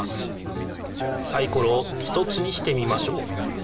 サイコロを１つにしてみましょう。